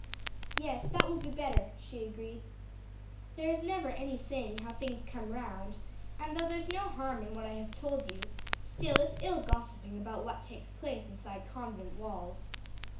"Yes, that will be better," she agreed. "There is never any saying how things come round; and though there's no harm in what I have told you, still it's ill gossiping about what takes place inside convent walls."